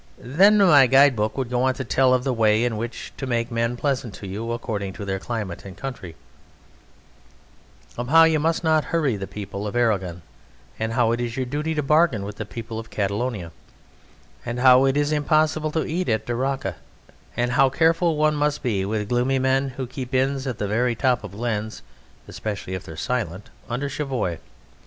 Then my guide book would go on to tell of the way in which to make men pleasant to you according to their climate and country; of how you must not hurry the people of Aragon, and how it is your duty to bargain with the people of Catalonia; and how it is impossible to eat at Daroca; and how careful one must be with gloomy men who keep inns at the very top of glens, especially if they are silent, under Cheviot.